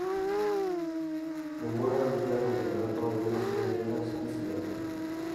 Denbora luzerako kontratua egingo zidatela esan zidaten.